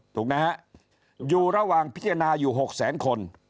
ถูกไหมฮะอยู่ระหว่างพิจารณาอยู่๖แสนคน